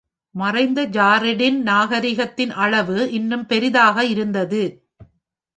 மறைந்த ஜாரெடிட் நாகரிகத்தின் அளவு இன்னும் பெரியதாக இருந்தது.